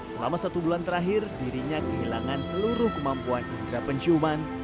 selama satu bulan terakhir dirinya kehilangan seluruh kemampuan indera penciuman